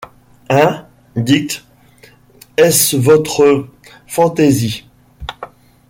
Hein! dictes, est-ce vostre phantaisie?